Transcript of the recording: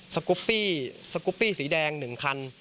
สกุปปี้สีแดง๑คัน